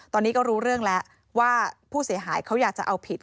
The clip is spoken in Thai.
ตอนนี้ก็รู้เรื่องแล้วว่าผู้เสียหายเขาอยากจะเอาผิด